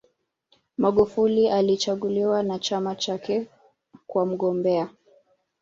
magufuli alichaguliwa na chama chake kuwa mgombea